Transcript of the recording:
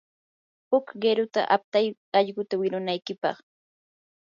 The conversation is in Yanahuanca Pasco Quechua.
huk qiruta aptay allquta wirunaykipaq.